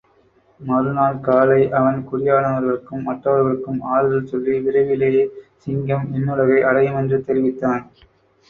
மறு நாள் காலை அவன் குடியானவர்களுக்கும் மற்றவர்களுக்கும் ஆறுதல் சொல்லி, விரைவிலே சிங்கம் விண்ணுலகை அடையுமென்றும் தெரிவித்தான்.